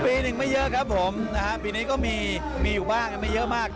ปีหนึ่งไม่เยอะครับผมนะฮะปีนี้ก็มีมีอยู่บ้างไม่เยอะมาก